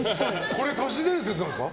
これ都市伝説なんですか？